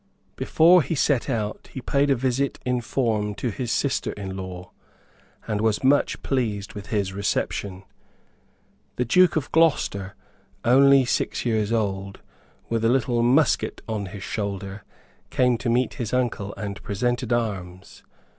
Before he set out he paid a visit in form to his sister in law, and was much pleased with his reception. The Duke of Gloucester, only six years old, with a little musket on his shoulder, came to meet his uncle, and presented arms.